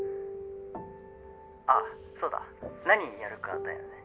「あっそうだ何やるかだよね」